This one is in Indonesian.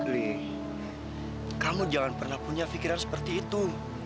li kamu jangan pernah punya pikiran seperti itu